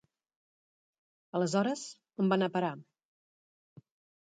Aleshores, a on va anar a parar?